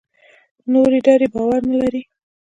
نورې ډلې باور نه لري.